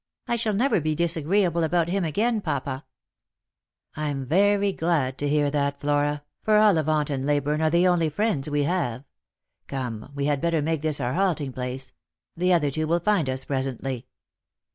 I shall never be disagreeable about him again, papa." " I'm very glad to hear that, Flora, for Ollivant and Ley burne are the only friends we have. Come, we had better make this our halting place. The other two will find us pre sently."